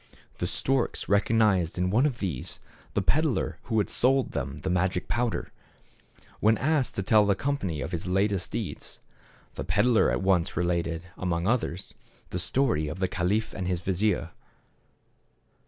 The storks recognized in one of these the peddler who had sold them the magic powder. THE CAB AVAN. 103 When asked to tell the company of his latest deeds, the peddler at once related, among others, the story of the caliph and his vizier.